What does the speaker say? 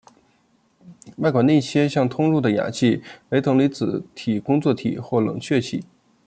外管内切向通入的氩气为等离子体工作气或冷却气。